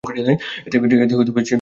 এতে চার্ট তৈরিতে সময় কম লাগবে।